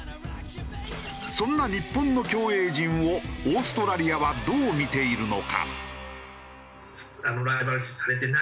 そんな日本の競泳陣をオーストラリアはどう見ているのか？